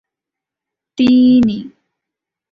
Once a year an ox is sacrificed to him at the capital.